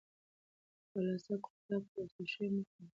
خالصه کوفته پروسس شوې نه شمېرل کېږي.